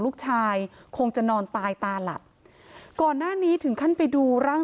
ลูกชายคงจะนอนตายตาหลับก่อนหน้านี้ถึงขั้นไปดูร่าง